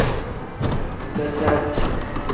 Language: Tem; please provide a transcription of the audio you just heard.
Iza caasi.